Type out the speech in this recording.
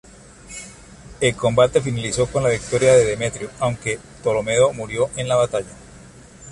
El combate finalizó con la victoria de Demetrio, aunque Ptolomeo murió en la batalla.